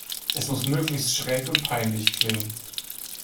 Es muss möglichst schräg und peinlich klingen.